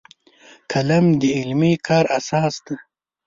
قلم د علمي کار اساس دی